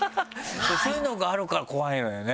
そういうのがあるから怖いのよね